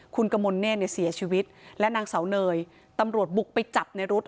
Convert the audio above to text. คุณกมลเนธเนี่ยเสียชีวิตและนางเสาเนยตำรวจบุกไปจับในรถ